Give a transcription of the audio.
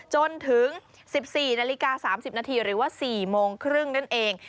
จนถึง๑๔นาฬิกา๓๐นาทีหรือว่า๔โมงครึ่งนั่นเอง